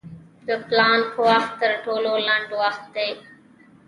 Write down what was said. د پلانک وخت تر ټولو لنډ وخت دی.